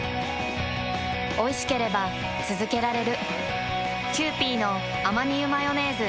おいしければつづけられる。